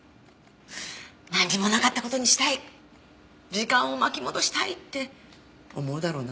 なんにもなかった事にしたい時間を巻き戻したいって思うだろうな。